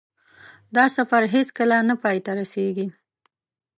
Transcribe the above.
دا سفر هېڅکله نه پای ته رسېږي.